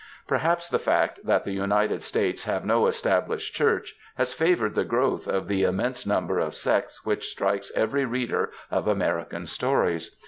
Perhaps the fact that the United States have no Estab lished Church has favoured the growth of the immense number of sects which strikes every reader of American stories.